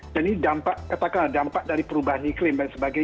dan ini dampak katakanlah dampak dari perubahan iklim